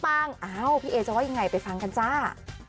พี่เอจะว่ายังไงไปฟังกันจ้า